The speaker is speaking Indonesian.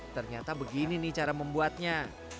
ternyata begini nih cara membuatnya